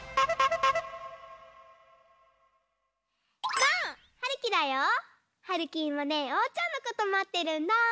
ばあっ！はるきだよ！はるきいまねおうちゃんのことまってるんだ！